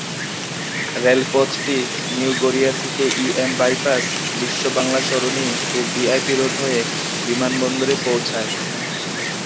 রেলপথটি new Garia থেকে E M bypass, Biswa Bangla Sarani ও VIP road হয়ে বিমানবন্দরে পৌঁছায়।